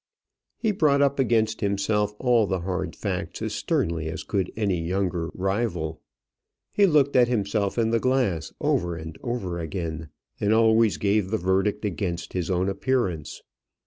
He brought up against himself all the hard facts as sternly as could any younger rival. He looked at himself in the glass over and over again, and always gave the verdict against his own appearance.